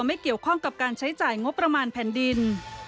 ไม่เกี่ยวข้องกับการใช้จ่ายงบประมาณแผ่นดิน